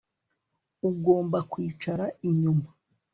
Ugomba kwicara inyuma